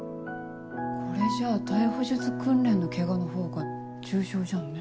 これじゃあ逮捕術訓練のケガのほうが重傷じゃんね。